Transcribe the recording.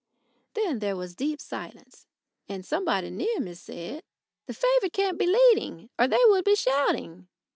Then there was deep silence, and somebody near me said: "The favourite can't be leading, or they would be shouting."